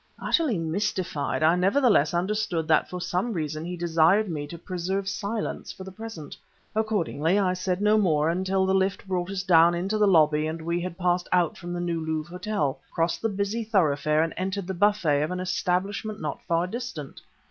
Utterly mystified, I nevertheless understood that for some reason he desired me to preserve silence for the present. Accordingly I said no more until the lift brought us down into the lobby and we had passed out from the New Louvre Hotel, crossed the busy thoroughfare and entered the buffet of an establishment not far distant.